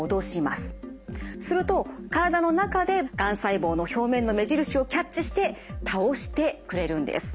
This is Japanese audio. すると体の中でがん細胞の表面の目印をキャッチして倒してくれるんです。